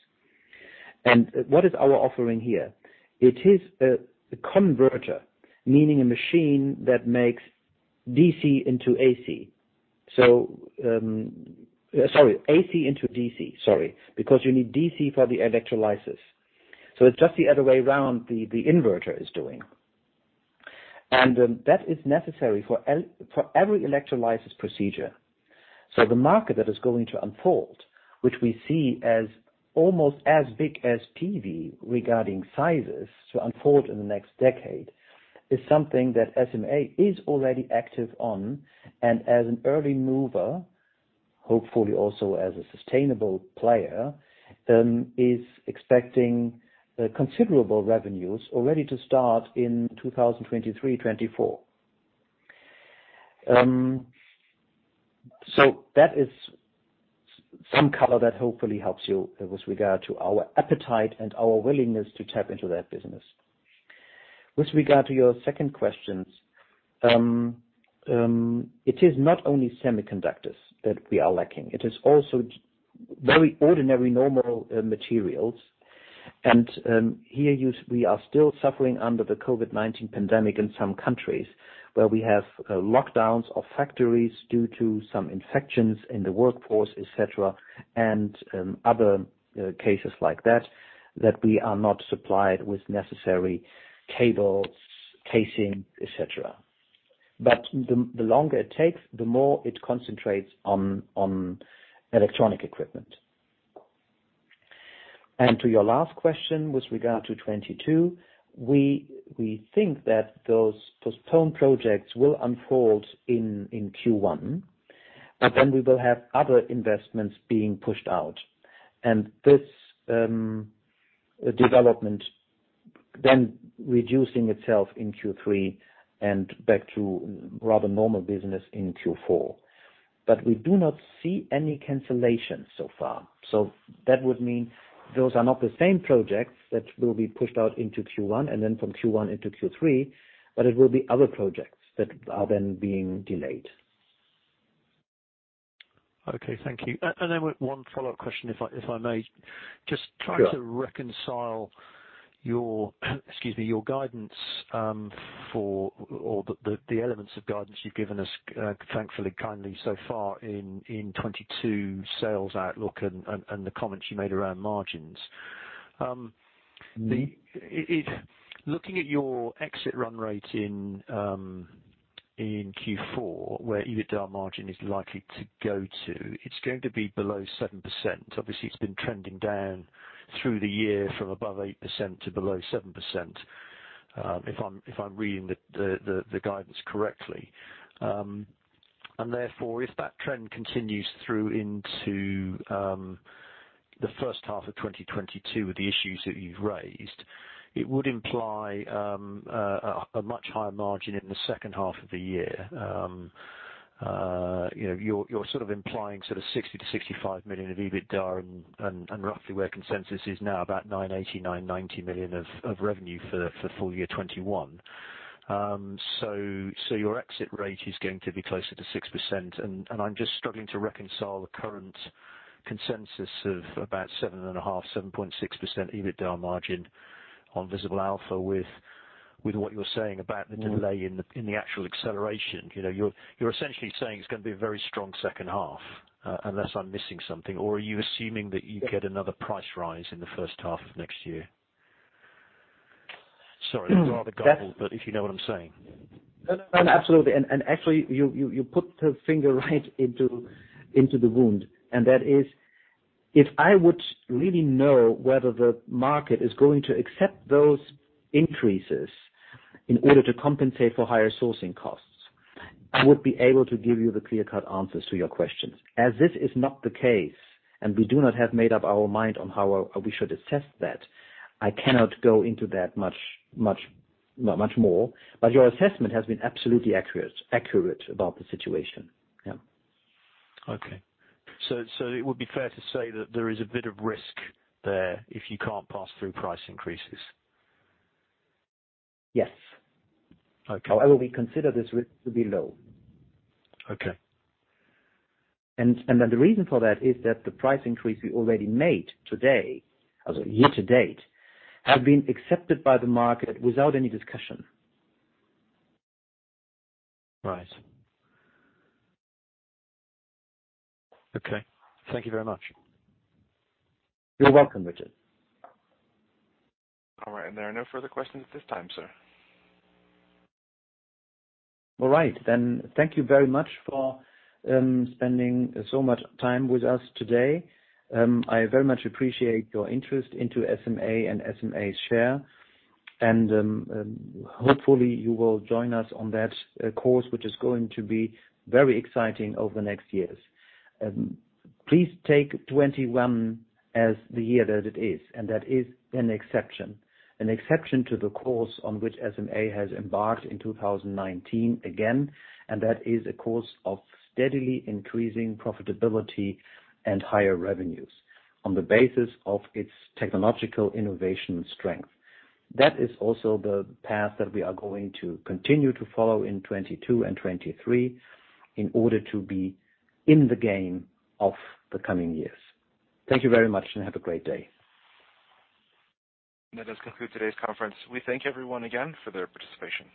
What is our offering here? It is a converter, meaning a machine that makes AC into DC. Sorry. Because you need DC for the electrolysis. So it's just the other way around the inverter is doing. That is necessary for every electrolysis procedure. The market that is going to unfold, which we see as almost as big as PV regarding sizes to unfold in the next decade, is something that SMA is already active on. As an early mover, hopefully also as a sustainable player, is expecting considerable revenues already to start in 2023-2024. That is some color that hopefully helps you with regard to our appetite and our willingness to tap into that business. With regard to your second questions, it is not only semiconductors that we are lacking. It is also very ordinary, normal, materials. We are still suffering under the COVID-19 pandemic in some countries, where we have lockdowns of factories due to some infections in the workforce, et cetera, and other cases like that we are not supplied with necessary cables, casing, et cetera. The longer it takes, the more it concentrates on electronic equipment. To your last question, with regard to 2022, we think that those postponed projects will unfold in Q1, but then we will have other investments being pushed out. This development then reducing itself in Q3 and back to rather normal business in Q4. We do not see any cancellations so far. That would mean those are not the same projects that will be pushed out into Q1 and then from Q1 into Q3, but it will be other projects that are then being delayed. Okay. Thank you. One follow-up question, if I may. Sure. Just trying to reconcile your, excuse me, your guidance for the elements of guidance you've given us, thankfully, kindly so far in 2022 sales outlook and the comments you made around margins. Mm-hmm. Looking at your exit run rate in Q4, where EBITDA margin is likely to go to, it's going to be below 7%. Obviously, it's been trending down through the year from above 8% to below 7%, if I'm reading the guidance correctly. Therefore, if that trend continues through into the first half of 2022 with the issues that you've raised, it would imply a much higher margin in the second half of the year. You know, you're sort of implying sort of 60 million-65 million of EBITDA and roughly where consensus is now, about 980 million-990 million of revenue for full year 2021. Your exit rate is going to be closer to 6%. I'm just struggling to reconcile the current consensus of about 7.5-7.6% EBITDA margin on Visible Alpha with what you're saying about the delay in the actual acceleration. You know, you're essentially saying it's gonna be a very strong second half, unless I'm missing something. Or are you assuming that you get another price rise in the first half of next year? Sorry, it's rather garbled, but if you know what I'm saying. No, no, absolutely. Actually, you put the finger right into the wound. That is, if I would really know whether the market is going to accept those increases in order to compensate for higher sourcing costs, I would be able to give you the clear-cut answers to your questions. As this is not the case, and we do not have made up our mind on how we should assess that, I cannot go into that much more. But your assessment has been absolutely accurate about the situation. Yeah. Okay. It would be fair to say that there is a bit of risk there if you can't pass through price increases. Yes. Okay. However, we consider this risk to be low. Okay. The reason for that is that the price increase we already made today, as of year to date, have been accepted by the market without any discussion. Right. Okay. Thank you very much. You're welcome, Richard. All right, and there are no further questions at this time, sir. All right. Thank you very much for spending so much time with us today. I very much appreciate your interest into SMA and SMA's share. Hopefully, you will join us on that course, which is going to be very exciting over the next years. Please take 2021 as the year that it is, and that is an exception to the course on which SMA has embarked in 2019 again, and that is a course of steadily increasing profitability and higher revenues on the basis of its technological innovation and strength. That is also the path that we are going to continue to follow in 2022 and 2023 in order to be in the game of the coming years. Thank you very much, and have a great day. That does conclude today's conference. We thank everyone again for their participation.